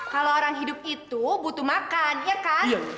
kalau orang hidup itu butuh makan ya kan